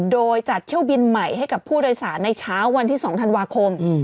โดยจัดเที่ยวบินใหม่ให้กับผู้โดยสารในเช้าวันที่๒ธันวาคม